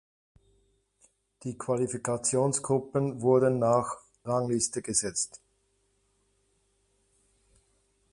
Die Qualifikationsgruppen wurden nach Rangliste gesetzt.